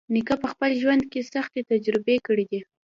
نیکه په خپل ژوند کې سختۍ تجربه کړې دي.